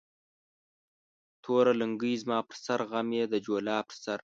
توره لنگۍ زما پر سر ، غم يې د جولا پر سر